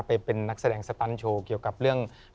ไปเป็นนักแสดงสตันโชว์เกี่ยวกับเรื่อง